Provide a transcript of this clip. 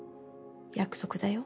約束だよ。